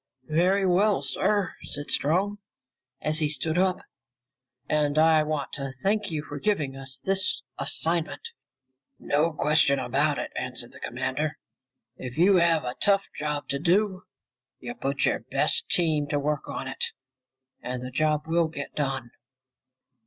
"Very well, sir," said Strong as he stood up. "And I want to thank you for giving us this assignment." "No question about it," answered the commander. "If you have a tough job to do, you put your best team to work on it, and the job will get done!"